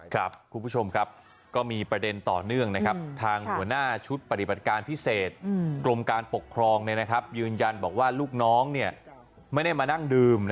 คุณผู้ชมครับก็มีประเด็นต่อเนื่องนะครับทางหัวหน้าชุดปฏิบัติการพิเศษกรมการปกครองยืนยันบอกว่าลูกน้องไม่ได้มานั่งดื่ม